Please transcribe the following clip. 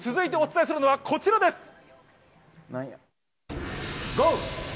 続いてお伝えするのがこちらです。